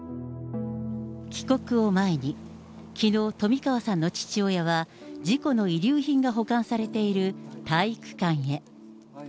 帰国を前に、きのう、冨川さんの父親は、事故の遺留品が保管されている体育館へ。